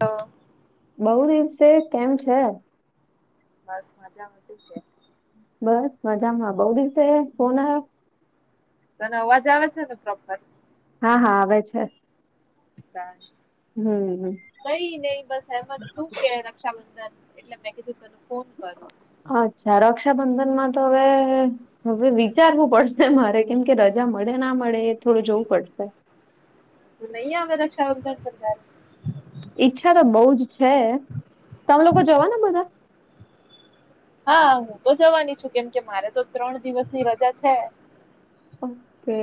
હા [inaudible] [unintelligible] બહુ દિવસે કેમ છે? બસ મજામાં જ છે. બસ મજામાં બઉ દિવસે ફોન આવ્યો તને અવાજ આવે છે ને પ્રોપર હા હા આવે છે. હમ્મ કઈ નહી બસ એમજ શું કે સમુંદર એટલે મેં કીધું મેનુ ફોન કર અચ્છા રક્ષાબંધન માં તો હવે હવે વિચારવું પડશે મારે કેમ કે રજા મળે ના મળે એ થોડું જોવું પડશે. નહી આવે રક્ષાબંધન કરતા ઈચ્છા તો બઉ જ છે તમે લોકો જવાના બધા. હા હું તો જવાની છું કેમ કે મારે તો ત્રણ દિવસની રજા છે. ઓકે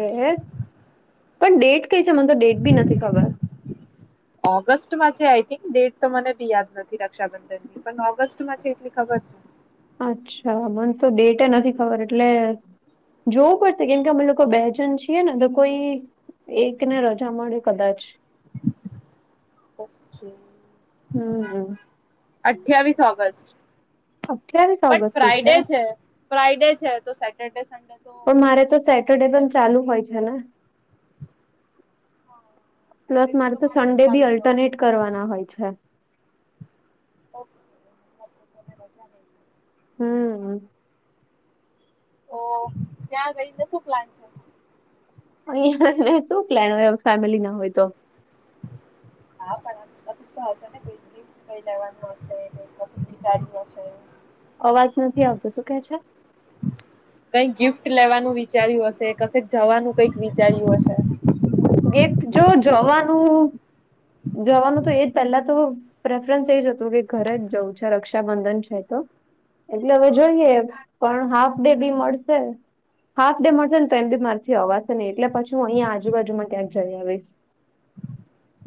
પણ ડેટ કઈ છે મને તો ડેટ બી નથી ખબર. ઓગસ્ટમાં છે આઈ થિંગ ડેટ તો મને બી યાદ નથી રક્ષાબંધન ની પણ ઓ ગસ્ટમાં છે એટલી ખબર છે. અચ્છા મન તો ડેટ એ નથી ખબર એટલે જોવું પડશે કેમ કે અમે લોકો બે જન છીએ ને તો કોઈ એક ને રજા મળે કદાચ. હમ્મ અઠ્યાવીસ ઓગસ્ટ અઠ્યાવીસ બટ ફ્રાઈડે છે ફ્રાઈડે છે તો સેટરડે સંડે પણ મારે તો સેટરડે પણ ચાલુ હોય છેને. હા પ્લસ સેટરડે મારે તો સન્ડે બી ચાલુ હોય અલ્ટરનેટ છે કરવાના હોય છે. [inaudible] હમ. ઓ ત્યાં જઈને શું પ્લાન છે. અહીયાં લે શું પ્લેન હોય ફેમિલી ના હોય તો. [inaudible] કઈ લેવાનું હશે જવાનુ હશે. અવાજ નથી આવતો શું કહે છે. કઈક ગિફ્ટ લેવાનું વિચાર્યું હશે કશેક જવાનું કઈક વિચાર્યું હશે ગિફ્ટ જો જવાનું જવાનું તો એ તો પ્રેફરન્સ એ હતું કે ઘરે જ જવું છે રક્ષાબંધન છે તો એટલે હવે જોઈએ પણ હાફ ડે બી મળશે હાફ ડે મળશે ને તો એમ મારથી અવાશે એટ પછી હું અહીં આજુબાજુમાં ક્યાંક જઈ આવીશ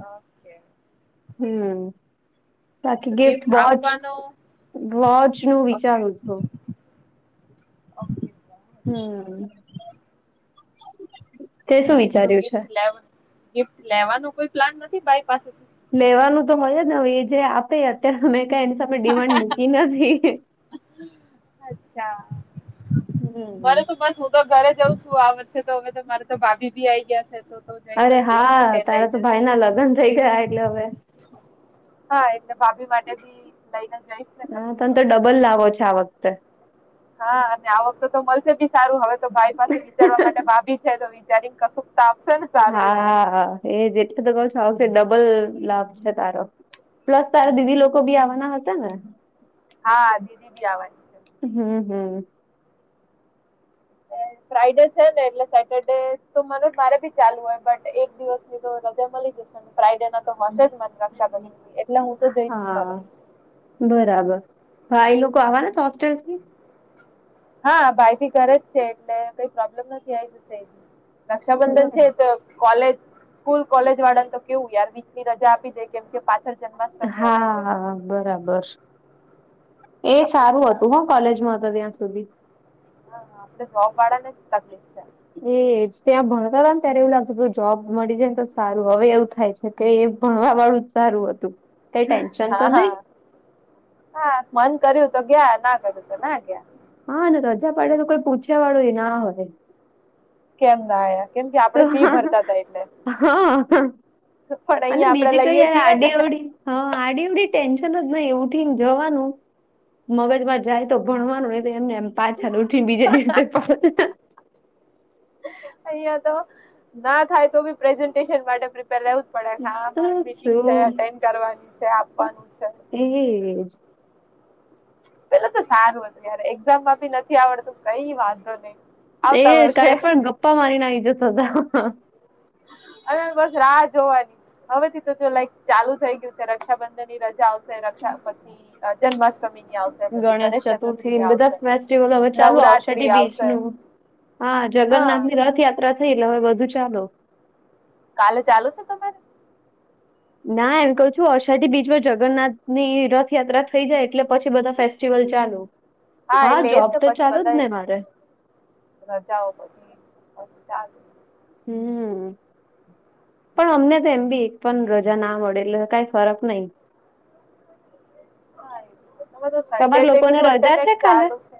ઓકે હમ તો બાકી ગિફ્ટ વોચ આપવાનો વોચ નું ઓકે વિચારું છું ઓકે હમ્મ તે શું વિ તો ગિફ્ટ લેવા ગિફ્ટ લેવાનો કોઈ પ્લાન નથી મારી પાસે લેવાનું તો હોય જને હવે એ જે અત્યાર મેં કાઈ એમની સામે ડિમાન્ડ મૂકી નથી હમ [inaudible] તો ઘરે જઉં છું આ વર્ષે તો હવે મારે તો ભાભી આઈ ગ્યા છે તો તો જઈશ જ અરે દેવ હા માટે તારા લઈને તો ભાઈ ના લગન થઈ ગયા એટલે હવે હા એટલે ભાભી માટે ભી લઈને જઈશ ને હા કશું તન તો ડબલ લાવો છે આ વખતે હા અને આ વખતે તો મળશે બી સારું હવે તો ભાઈ પાસેથી વિચારવા માટે ભાભી છે તો વિચારીને કસુક તો આપશે ને સારું એવું હા એ એટલે તો કઉ છું આ વખતે ડબલ લાભ છે તારો પ્લસ તારા દીદી લોકો બી આવાના હશે ને હા દીદી બી આવાની હમ્મ હમ્મ [inaudible] ફ્રાઈડે છે ને એટલે સેટરડે તો મને મારે ભી ચાલુ હોય બટ એક દિવસની તો રજા મળીજશે ફ્રાઈડે ના તો હશે જ ને રક્ષાબંધી એટલે હું તો જઈશ કાલે હા બરાબર ભાઈ લોકો આવા ને તો હોસ્ટેલ થી હા ભાઈ બી ઘરે જ છે એટલે કઈ પ્રોબ્લેમ નથી [inaudible] રક્ષાબંધન બરાબર છે તો કોલેજ સ્કૂલ કોલેજ વાળાને તો કેવું યાર વીક ની રજા આપી દે કેમ કે પાછળ જન્માષ્ટમી આવતી હોય હા બરાબર એ આપણે સારું હ તું હ કોલેજ માં હતા ત્યાં સુધી હા હા આપડે જોબ વાળા ને જ તકલીફ છે એજ ત્યાં ભણતા હતા ને ત્યારે એવું લાગતું કે જોબ મળી જાય ને તો સારું હવે એવું થાય છે કે એ ભણવા વાળું જ સારું હતું. કઈ ટેન્શન હા તો નહી હા હા મન કર્યું તો ગયા ના કર્યું તો ના ગયા હા ને રજા પાડે તો કોઈ પૂછ્યા વાળું એ ના હોય કેમ ના આયા કેમ કે તો આપણે ફી હ ભરતા હતા એટલે હા હા પણ અને અહીંયા આપણે બીજી કઈ લઈએ યાર છીએ ને આડી અવડી હા આડી અવડી ટેન્શન જ નઈ એ ઉઠીને જવાનું મગજમાં જાય તો ભણવાનું એ તો એમને એમ પાછા ઉઠીને બીજે દિવસે પાસા જવાનુ અહિયા તો ના થાય તો બી પ્રેઝન્ટેશન માટે પ્રિપેર પડે ખાવા તો મારે મીટિંગ છે શું એટેન્ડ કરવાની છે આપવાનું છે એજ પેલા તો સારું હતું ય એક્ઝામમાં ભી નથી આવડતું કઈ વાંધો નઈ એ કાય પણ ગપ્પા મારીને આઈ જતાં તા હવે બસ રાહ જોવાની હવે થી તો જો લાઈક ચાલુ થઈ ગયું છે રક્ષાબંધન ની રજા આવ સે રક્ષા પછી જન્માષ્ટમી ની આવશે પછી ગણેશ ચતુર્થી ની આવશે. [unintelligible] હવે ચાલુ આવશે નવરાત્રી બીચ આવશે નું હા જગન્નાથ ની હા રથયા ત્રા થઈ હવે બધું ચાલો. કાલે ચાલુ છે તમારે? ના એમ કઉ છું અષાઢી બીચ પર જગન્નાથ ની રથયાત્રા થઈ જાય એટલે પછી બધા ફેસ્ટિવલ ચાલુ હા, એટલે એ જ જોબ તો પછી ચાલુ જ બધા ને મારે રજાઓ પછી ચાલુ હમ પણ અમને તો એમ બી એક પણ રાજા ના મળે કંઇ ફરક નહી. [inaudible] તમાર લોકોને કીધું રજા અલ્ટરનેટ છે કાલે ચાલુ છે.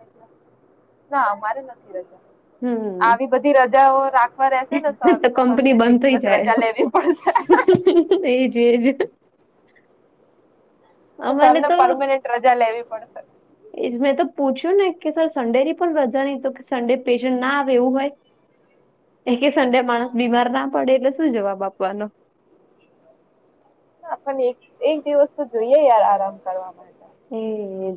ના અમારે નથી રજા. હમ આવી બધી રજાઓ રાખવા રશે ને સર તો કંપની સરને જ એક બંધ દિવસ રજા લેવી પડશે તેજ એજ અ. તો સરને પર્મનેન્ટ રજા લેવી પડેશે. એ જ મેં તો પૂછ્યું નય કે સર સન્ડે ની પણ રજા નહીં તો કે સન્ડે પેશન્ટ ના આવે એવું હોય, એ કે સન્ડે માણસ બીમાર ના પડે? એટલે શું જવાબ આપવાનો? આપણે એક-એક દિવસ તો જોઈએ યાર આરામ કરવા માટે. [unintelligible] એજ..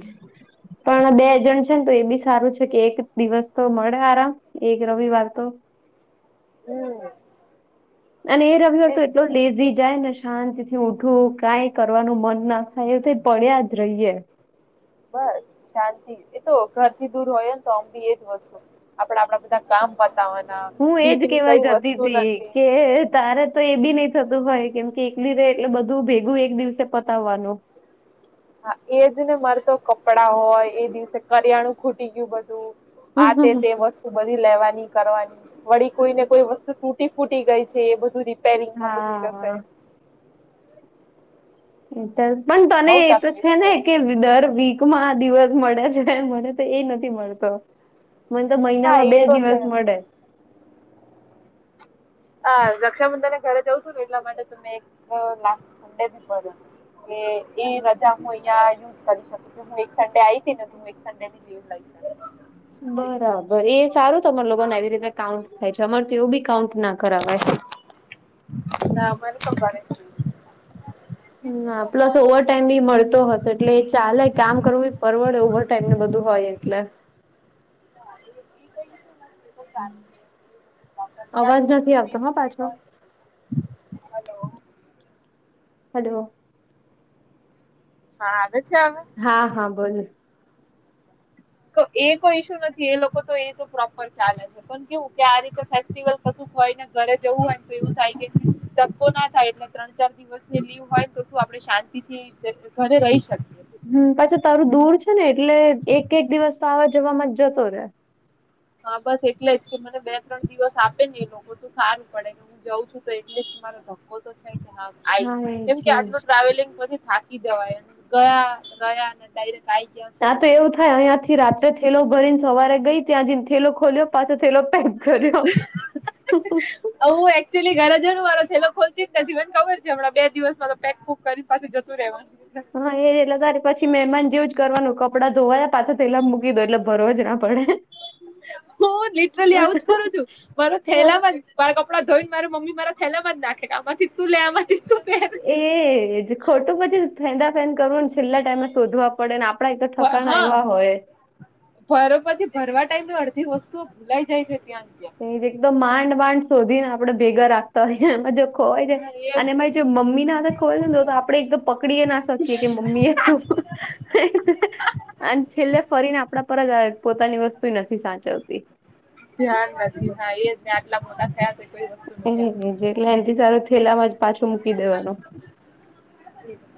પણ બે જણ છે ને તો એ બી સારું છે કે, એક દિવસ તો મળે આરામ. એક રવિવાર તો, હ. અ. અને એ રવિવાર તો, એટલો લેઝી. જાય ને શાંતિ થી ઉઠું કાઈ કરવાનું મન ના થાય એવી રીતે પડ્યા જ રહીએ. બસ શાંતિ એ તો, ઘર થી દૂર હોય ને તો બી એજ વસ્તુ આપડા આપણા બધા. કામ પતાવાના, હું એજ બીકની કેવા કઈ જતી વસ્તુ હતી નથી. કે તારે તો એ બી નય થતું હોય, કેમ કે એકલી રેય એટલે બધું ભેગું એક દિવસે પતાવવાનું. હા એજ ને, મારે તો કપડાં હોય, એ દિવસે કરિયાણું ખૂટી ગયું બધું. આ તે-તે વસ્તુ બધી લેવાની કરવાની, વળી કોઈ ને કોઈ વસ્તુ તુંત તુટી-ફૂટી ગઈ છે. એ બધું રીપેરિંગમાં બધું જશે. હા એ [unintelligible] પણ બઉ તને એ તો છે તકલીફ ને કે અ દર વીક. માં હા, આ દિવસ મળ્યા છે. મને તો એ નથી મળતો, મને તો હા મહિનામાં એ બે તો છે. દિવસ મળે. અ રક્ષાબંધન ને ઘરે જઉં તું, ને એટલા માટે મે એક લાસ્ટ સન્ડે ભર્યો. કે એ રજા હું અહિયાં યુઝ કરી શકું હું, એક સન્ડે આ હતીને એક સન્ડે થી લીવ લઈ શકું. બરાબર એ સારું તમારા લોકોને આવી રીતે કાઉન્ટ થાય છે, અમાર તો એવું બી કાઉન્ટ ના કરાવાય. ના અમાર તો. [unintelligible] હ પ્લસ ઓવર ટાઇમ બી મળતો હશે, એટલે એ ચાલે કામ કરવું બી પરવડે ઓવર. ટાઈમ ને બધું હોય એટલે, [unintelligible] તો સારું. ુ અવાજ નથી આવતો હ પાછો, હલો.. ઓ હલો. હા આવે છે હવે. હા. હા. બોલો. તો એ કોઈ ઇસ્યુ નથી, એ લોકો તો એ તો પ્રોપર ચાલે જ. પણ કેવું કે આ રીતે ફેસ્ટિવલ કશું ક હોયને ઘરે જવું હોય ને તો એવું થાય કે, [unintelligible] ના થાય એટલે ત્રણ ચાર દિવસ ની લીવ હોય તો શું આપણે શાંતિ થી ઘરે રહી શકીએ હમ્મ પછી તારું દૂર છે ને એટલે એક એક દિવસ તો આવા જવામાં જ જતો રહેે. હા બસ એટલે જ, કે મને બે ત્રણ દિવસ આપે ને એ લોકો તો સારું પડે. જઉં છું તો એટલિસ્ટ મારો ધક્કો તો છે કે હા. આય કેમ એજ કે એજ આટલું ટ્રાવેલિંગ પછી થાકી જવાય ગયા ગયા અને ડાયરેક્ટ આવી. ત્યાં તો એવું થાય, અહિયાં થી રાત્રે થેલો ભરીને સવારે ગઈ ત્યાં જેને થેલો ખોલ્યો, પાછો થેલો પેક. કર્યો. આવું એકચુલી ઘરે જવનું મારો થેલો ખોલતી જને ખબર છે હમણાં બે દિવસમાં તો પેક કરીને પાછું જતું રહેવાનું. છે હા એ એટલે પછી મહેમાન જેવું જ કરવાનું કપડાં ધોવાયા પાછા તો થેલા મા મૂકી દો એટલે ભરો જ આમ. પડે. હું લિટરલી આવુંજ કરું છું. મારો થેલામાં. મારા કપડા ધોઈ ને મારી મમ્મી મારા થેલ્લા માં જ નાખે કે આમાંથી તું લે આમાંથી જ તું પેહેર એજ ખોટું પછી ફેંદા ફેંદ કરવું ને છેલ્લા ટાઈમે શોધવા પડે ને આ પડા તો ઠકાણા હા એવા હોય ભરો પછી ભરવા ટાઈમે તો અડધી વસ્તુઓ ભૂલાઈ જાય છે ત્યાં ત્યાં એક તો એકદમ માંડ માંડ શોધી ને આપડે ભેગા રાખતા હોયએ એમાં જો ખોવાઈ જાય હા અને એજ એમાંય જો મમ્મીને હાથે ખોવાય તો આપડે એકદમ પકડી ના શકીએ કે મમ્મી એ જો અને છેલ્લે ફરીને આપડા પર જ આવે પોતાની વસ્તુય નથી સાચવતી. ધ્યાન [unintelligible] હા એ જ ને આટલા મોટા થયા કોઈ વસ્તુ નથી એજને આવતી. જેટલે એનથી સારું થેલામાં જ પાછું મૂકી દેવાનું. [inaudible]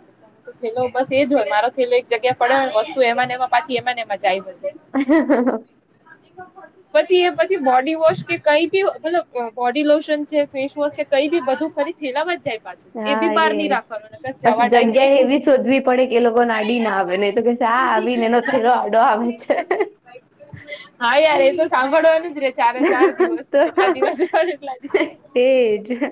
થેલો બસ એ જ હોય મારો થેલો એક જગ્યા પડે વસ્તુ એમાંને એમાં પાછી એમાંને એમાં જાય બધી. [inaudible] [inaudible] પછી એ પછી બોડી વોશ કે કઈ બી મતલબ બોડી લોશન છે ફેસ વોશ છે કઈ બી બધું ફરી થેલા માં જ જાય પાછું એ હા બી બહાર નહી એ રાખવાનું નકર પછી જવા ટાઈમે એ જગ્યા એવી ભૂલી જઈશ. શોધવી પડે કે એ લોકો નાડી ના આવે ને તો કે ચા આવીને એનો થેલો આડો આવે છે. હા યાર એ તો સાંભળવાનું જ રે ચારે ચાર દિવસ તો જેટલા દિવસ [unintelligible] દિવસ તેજ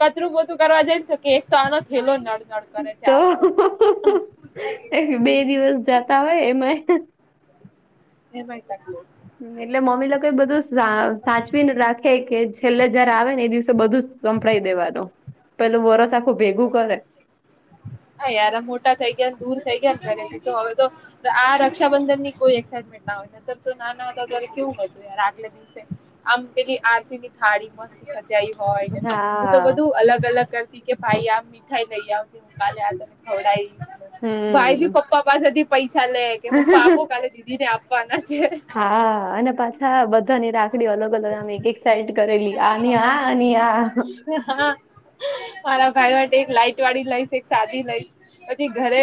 કચરું પોતું કરવા જાય તો કે એક તો આનો થેલો નળ નળ કરે છે તો [unintelligible] બે દિવસ જાતા હોય એમાં એમાય [unintelligible] એટલે મમ્મી લોકો એ બધું સાચવીને રાખે કે છેલ્લે જયારે આવે ને એ દિવસે બધું ગંભળાઈ દેવાનું પેલું વરસ આખું ભેગું કરે હા યાર મોટા થઈ ગયા દૂર થઈ ગયા ને [unintelligible] તો હવે તો આ રક્ષાબંધન ની કોઈ એક્સાાઈટમેન્ટ ના [unintelligible] નાના હતા ત્યારે કેવું હતું યાર આગલે દિવસે આમ તેની આરતીની થાળી મસ્ત સજાઈ હોય ને હું તો હા બધું અલગ અલગ કરતી કે ભાઈ આમ મીઠાઈ લઈ આવ હું તને ખવડઈશ ભાઈ હમ ભી પપ્પા સુધી પૈસા લે કે પપ્પા આપો કાલે દીદી ને આપવાના છે. હા અને પા છા બધાની રાખડી અલગ અલગ આમ એક એક સાઈડ કરેલી આની આ આની આ હા મારા ભાઈ માટે એક લાઈટ વાળી લઈશ એક સાદી લઈશ પછી ઘરે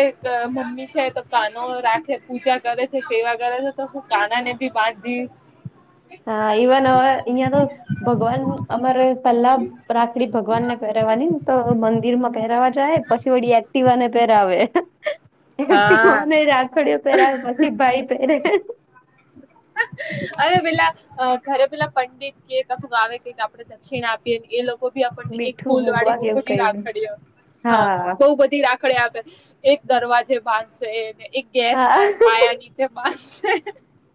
મમ્મી છે તો કાનો રાખે પૂજા કરે છે સેવા કરે છે તો હું કાના ને ભી બાંધીશ. હા ઇવન હવે અહીંયા તો ભગવાન અમારે પેલા રાખડી ભગવાન ને પહેરવાનીને, તો મંદિરમાં પહેરવા જાય પછી, વળી એક્ટિવાને પેરાવે. હા એકટિવાને રાખડીઓ પહેરાવે પછી ભાઈ પહેરે. અરે પેલા ઘરે પેલા પંડિત કે કશું આવ કે આપે દક્ષિણા આપીએ એ લો આપને એક મીઠું ફૂલ વાળી મૂકવા કેવું બધી કઈ રાખડી હા બહુ બધી રા ખડિ આપે એક દરવાજે બાંધશે, એક હા ગેસના પાયા નીચે બાંધશે.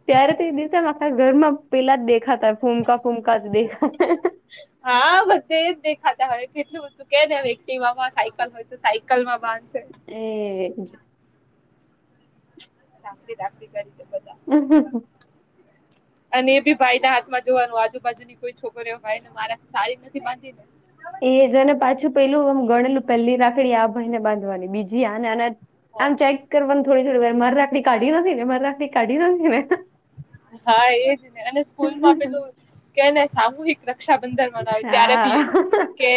ત્યારે તે દિવસે માખા ઘરમાં પેલા જ દેખાતા ફૂમકા ફૂમકા દેખા હા બધે જ દેખાતા હોય કેટલું બધું કે ને વ્યક્તિ સાયકલ હોય, તો સાયકલમાં બાંધશે એ જ રાખડી રાખડી [unintelligible] [unintelligible] [inaudible] અને એ બી ભાઈના હાથમાં જોવાનું આજુબાજુની કોઈ છોકરીઓ હોઇને મારા સારી નથી બાંધીને, એ જને પાછું પેલું આમ ગણેલું પેલી રાખડી આ ભાઈ ને બાંધવાની, બીજી આને આના આમ ચેક કરવાન થોડી થોડી વાર માર રાખડી કાઢી નથી ને, માર રાખડી કાઢી નથી ને, હા એજ ને અને સ્કૂલમાં પેલું કે ને સામૂહિક, રક્ષાબંધન મનાવી ત્યારે ભી હા એવું કે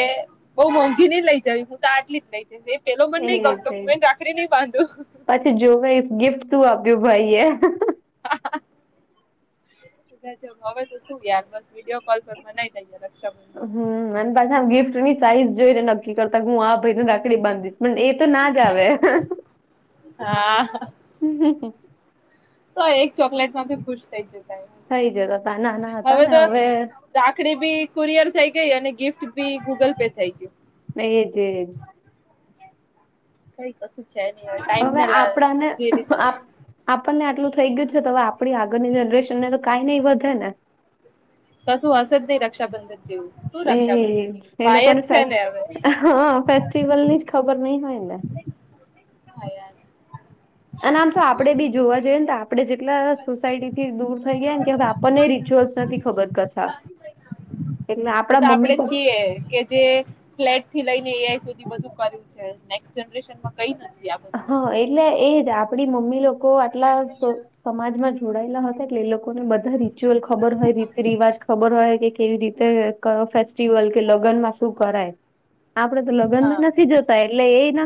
બઉ મોંઘી નઈ લઈ જવી હું તો આટલી જ લઈ જ એ પેલો મન નઈ ગમતો એજ એજ હું એ રાખડી નઈ બાંધું. પછી જોવે તો ગિફ્ટ શું આપ્યું ભાઈ એ, હમ્મ હવે તો શું યાર બસ વિડીયો કોલ પર મનાઈ લઇએ રક્ષાબંધન, હમ્મ અને પાછા આમ ગિફ્ટની સાઈઝ જોઈને નક્કી કરતા, હું આ ભાઈને રાખ- -ડી બાંધિશ પણ એ તો ના જ આવે હા તોઈ એક ચોકલેટમાં ભી ખુશ થઈ જતા એ. થઈ જ હતા નાના હતા ને હવે રાખડી ભી કુરિયર થઈ ગઈ અને ગિફ્ટ ભી ગૂગલ પે થઈ ગયું. ને એજ એજ કઈ કશું છે, હવે ટાઈમ લે જે રીતે આપણને આટલું થઈ ગયું છે તો હવે આપડી આગળની જનરેશન ને તો કાંઈ નઈ વધે ને, કશું હસે જ નઈ રક્ષાબંધન જેવું, શું રક્ષાબંધન એવું એજ એ ભાઈ લોકોને જ છે ને હવે હા ફેસ્ટિવલની જ ખબર નઈ હોય ને, [unintelligible] અને આમ તો આપડે બી જોવા જઈએ ને તો આપડે જેટલા સોસાયટીથી દૂર થઈ ગયા ને કે આપ પણ એ રિચ્યુઅલ્સ નથી ખબર કસા [inaudible] [unintelligible] એટલે આપણા મમ્મી પપ્ કે કે જે સ્લેટથી લઈને એઆઈ સુધી બધું કર્યું છે નેક્સટ જનરેશનમાં કઈ નથી આપ હા એટલે એજ આપડી મમ્મી લોકો આટલા સમાજમાં જોડાયેલા હશે એ લોકોને બધ રીચ્યુઅલ ખબર હોય, રીત રિવાજ ખબર હોય કે કેવી રીતે ફેસ્ટિવલ કે લગ્નમાં શું કરાય આપડે તો હા લગ્નમાં નથી જોતા એટલે એ ન